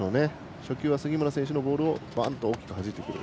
初球は杉村選手のボールを大きくはじいてくる。